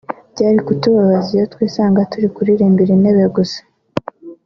Byari kutubabaza iyo twisanga turi kuririmbira intebe gusa